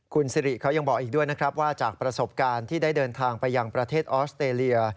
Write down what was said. คุณสิริเขายังบอกอีกด้วยนะครับว่าจากประสบการณ์ที่ได้เดินทางไปยังประเทศออสเตรเลีย